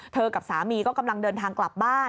กับสามีก็กำลังเดินทางกลับบ้าน